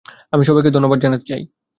আমি সবাইকে ধন্যবাদ জানাতে চাই।